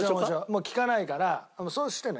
もう聞かないからそうしてね。